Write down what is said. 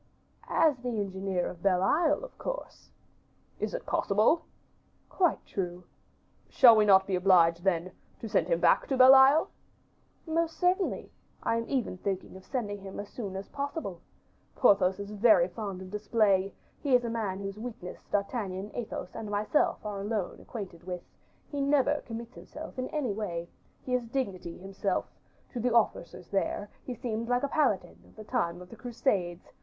"As the engineer of Belle Isle, of course." "Is it possible?" "Quite true." "Shall we not be obliged, then, to send him back to Belle Isle?" "Most certainly; I am even thinking of sending him as soon as possible. Porthos is very fond of display; he is man whose weakness D'Artagnan, Athos, and myself are alone acquainted with; he never commits himself in any way; he is dignity himself; to the officers there, he would seem like a Paladin of the time of the Crusades.